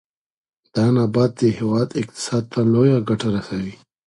دا نبات د هېواد اقتصاد ته لویه ګټه رسوي.